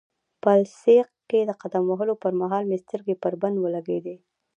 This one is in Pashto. په السیق کې د قدم وهلو پرمهال مې سترګې پر بند ولګېدې.